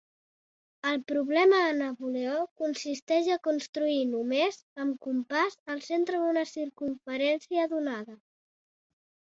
El problema de Napoleó consisteix a construir només amb compàs el centre d'una circumferència donada.